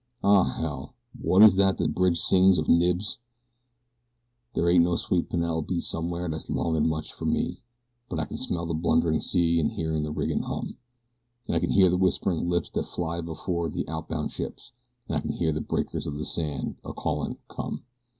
Oh, hell! what is that that Bridge sings of Knibbs's: There ain't no sweet Penelope somewhere that's longing much for me, But I can smell the blundering sea, and hear the rigging hum; And I can hear the whispering lips that fly before the out bound ships, And I can hear the breakers on the sand a calling "Come!"